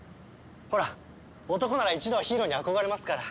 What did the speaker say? ほら男なら一度はヒーローに憧れますから。